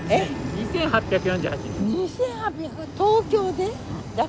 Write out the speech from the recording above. ２，８４８人。